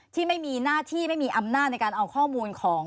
ที่ไม่มีหน้าที่ไม่มีอำนาจในการเอาข้อมูลของ